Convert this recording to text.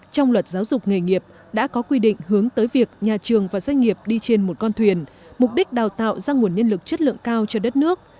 trong luật giáo dục nghề nghiệp đã có quy định hướng tới việc nhà trường và doanh nghiệp đi trên một con thuyền mục đích đào tạo ra nguồn nhân lực chất lượng cao cho đất nước